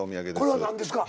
これは何ですか？